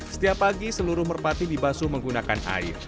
setiap pagi seluruh merpati dibasu menggunakan air